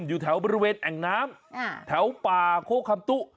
อยู่แถวบริเวณแอ่งน้ำแถวป่าโคกคำตุ